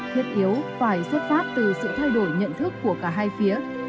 thiết yếu phải xuất phát từ sự thay đổi nhận thức của cả hai phía